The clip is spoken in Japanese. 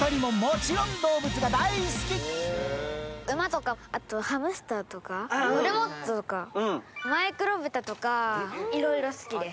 馬とか、あとハムスターとか、モルモットとか、マイクロブタとか、いろいろ好きです。